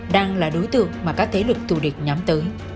đang là đối tượng mà các thế lực thù địch nhắm tới